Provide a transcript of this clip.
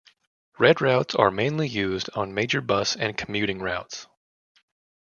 Red routes are mainly used on major bus and commuting routes.